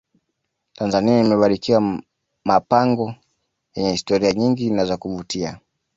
tanzania imebarikiwa mapango yenye historia nyingi na za kuvutia